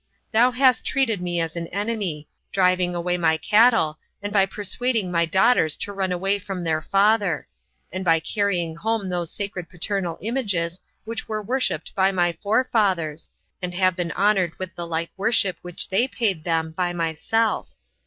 Thou hast treated me as an enemy, driving away my cattle, and by persuading my daughters to run away from their father; and by carrying home those sacred paternal images which were worshipped by my forefathers, and have been honored with the like worship which they paid them by myself.